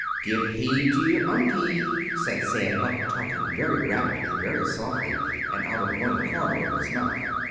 "Give heed to your Unkie," said Sam Hupp, talking very rapidly, very softly, and out of one corner of his mouth.